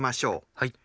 はい。